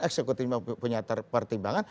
eksekutif punya pertimbangan